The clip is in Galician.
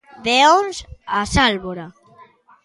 De Ons a Sálvora.